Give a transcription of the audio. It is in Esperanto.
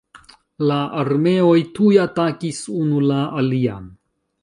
La armeoj tuj atakis unu la alian.